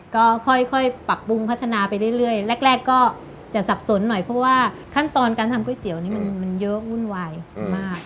ก็ค่อยปรับปรุงพัฒนาไปเรื่อยแรกก็จะสับสนหน่อยเพราะว่าขั้นตอนการทำก๋วยเตี๋ยวนี้มันเยอะวุ่นวายมาก